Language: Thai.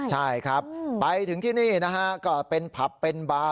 ใช่ครับไปถึงที่นี่นะฮะก็เป็นผับเป็นบาร์